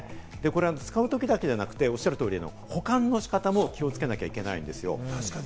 使うときだけじゃなくて、おっしゃる通り、保管の仕方も気をつけなきゃいけないんですよ。